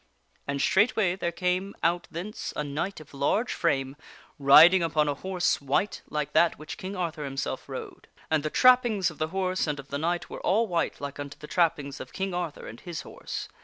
And ^ White straightway there came out thence a knight of large frame, rid Knight. ing upon a horse white, like that which King Arthur himself rode. And the trappings of the horse and of the knight were all white like io8 THE WINNING OF A QUEEN unto the trappings of King Arthur and his horse.